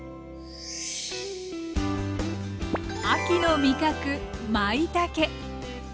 秋の味覚まいたけ。